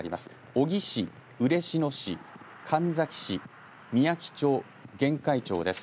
小城市、嬉野市、神埼市みやき町、玄海町です。